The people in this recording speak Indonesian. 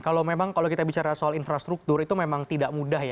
kalau memang kalau kita bicara soal infrastruktur itu memang tidak mudah ya